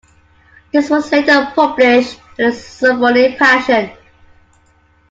This was later published as his "Symphonie-Passion".